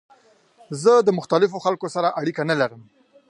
زه د مختلفو خلکو سره اړیکه نه لرم.